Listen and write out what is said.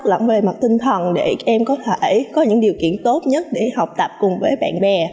lẫn về mặt tinh thần để em có thể có những điều kiện tốt nhất để học tập cùng với bạn bè